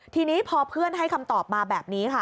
ทีนี้พอเพื่อนให้คำตอบมาแบบนี้ค่ะ